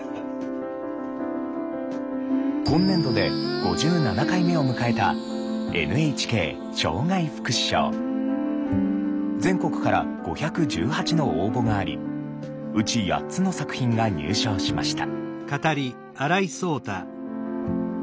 今年度で５７回目を迎えた全国から５１８の応募がありうち８つの作品が入賞しました。